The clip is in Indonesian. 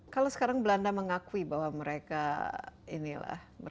kalau sekarang belanda mengakui bahwa mereka ini lah